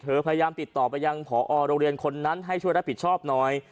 พยายามติดต่อไปยังพอโรงเรียนคนนั้นให้ช่วยรับผิดชอบหน่อย